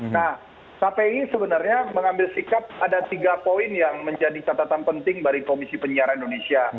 nah kpi sebenarnya mengambil sikap ada tiga poin yang menjadi catatan penting dari komisi penyiaran indonesia